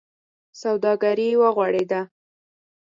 سوداګري و غوړېده.